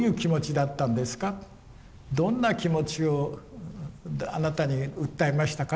どんな気持ちをあなたに訴えましたか？